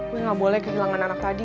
gue gak boleh kehilangan anak tadi